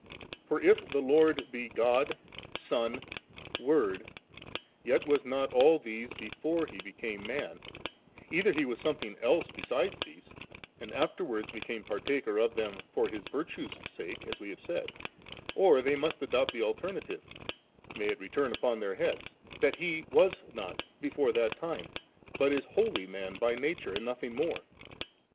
For if the Lord be God, Son, Word, yet was not all these before He became man, either He was something else beside these, and afterwards became partaker of them for His virtue's sake, as we have said ; or thejr must adopt the alternative (may it return upon their heads 1) that He was not before that time, but b wholly man by nature and nothing more.